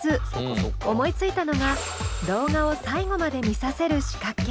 思いついたのが動画を最後まで見させる仕掛け。